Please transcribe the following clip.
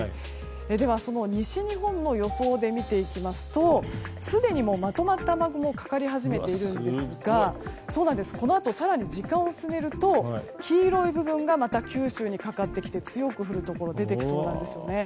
では、その西日本を予想で見ていきますとすでにもう、まとまった雨雲がかかり始めているんですがこのあと、更に時間を進めると黄色い部分がまた九州にかかってきて強く降るところ出てきそうなんですよね。